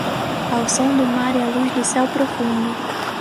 Ao som do mar e à luz do céu profundo